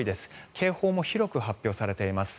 警報も広く発表されています。